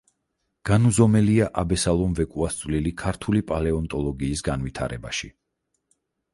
განუზომელია აბესალომ ვეკუას წვლილი ქართული პალეონტოლოგიის განვითარებაში.